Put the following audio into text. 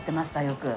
よく。